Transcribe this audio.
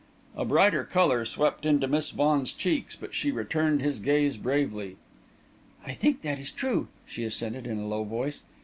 A brighter colour swept into Miss Vaughan's cheeks, but she returned his gaze bravely. "I think that is true," she assented, in a low voice.